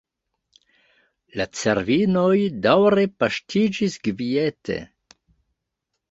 La cervinoj daŭre paŝtiĝis kviete.